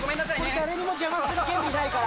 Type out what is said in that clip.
誰にも邪魔する権利ないから。